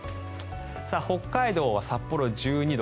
北海道は札幌、１２度。